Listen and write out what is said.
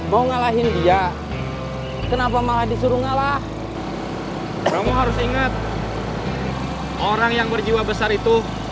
mau ngalahin dia kenapa malah disuruh ngalah kamu harus ingat orang yang berjiwa besar itu